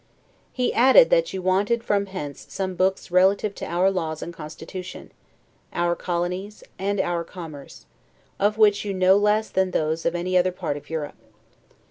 He added that you wanted from hence some books relative to our laws and constitution, our colonies, and our commerce; of which you know less than of those of any other part of Europe.